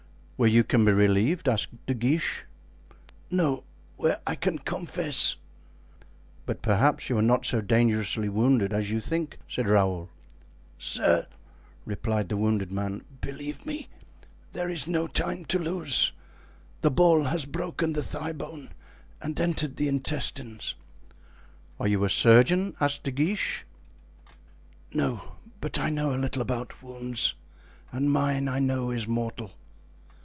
"Where you can be relieved?" asked De Guiche. "No, where I can confess." "But perhaps you are not so dangerously wounded as you think," said Raoul. "Sir," replied the wounded man, "believe me, there is no time to lose; the ball has broken the thigh bone and entered the intestines." "Are you a surgeon?" asked De Guiche. "No, but I know a little about wounds, and mine, I know, is mortal.